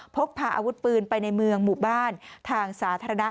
พกพาอาวุธปืนไปในเมืองหมู่บ้านทางสาธารณะ